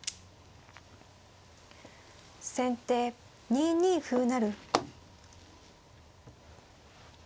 先手２二歩成。